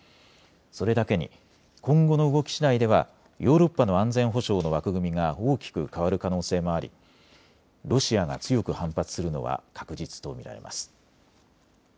それだけに今後の動きしだいではヨーロッパの安全保障の枠組みが大きく変わる可能性もありロシアが強く反発するのは確実と見られます。